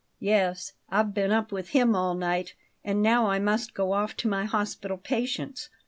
"Yes; I've been up with him all night, and now I must go off to my hospital patients.